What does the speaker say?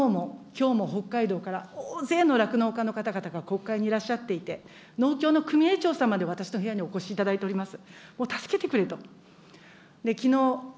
きのうも、きょうも北海道から大勢の酪農家の方々が国会にいらっしゃっていて、農協の組合長さんまで私の部屋にお越しいただいております。